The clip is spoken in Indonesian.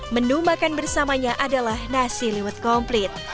menu makan bersamanya adalah nasi liwet komplit